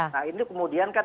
nah ini kemudian kan